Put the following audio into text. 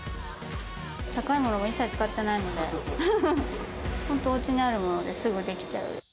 高いものを一切使っていないので、本当、おうちにあるものですぐ出来ちゃう。